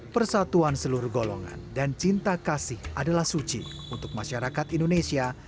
persatuan seluruh golongan dan cinta kasih adalah suci untuk masyarakat indonesia